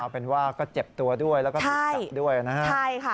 เป็นว่าก็เจ็บตัวด้วยแล้วก็ถูกจับด้วยนะฮะใช่ค่ะ